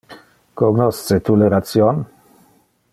Cognosce tu le ration?